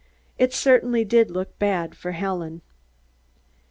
It certainly did look bad for Helen.